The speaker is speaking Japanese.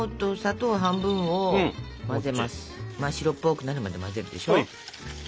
真っ白っぽくなるまで混ぜるでしょ。